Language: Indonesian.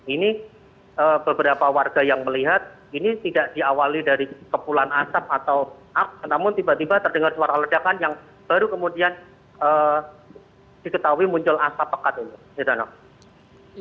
ini beberapa warga yang melihat ini tidak diawali dari kepulan asap atau api namun tiba tiba terdengar suara ledakan yang baru kemudian diketahui muncul asap pekat ini